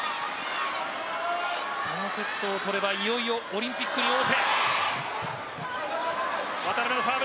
このセットを取ればいよいよオリンピックに王手。